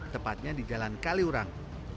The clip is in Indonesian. tepatnya di jalan kaliurang